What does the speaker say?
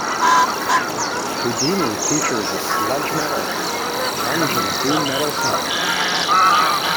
"Houdini" features a sludge metal, grunge and doom metal sound.